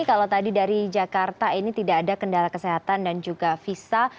kalau tadi dari jakarta ini tidak ada kendala kesehatan dan juga visa